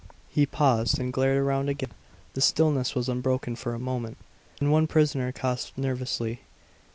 He paused, and glared around again. The stillness was unbroken for a moment; then one prisoner coughed nervously.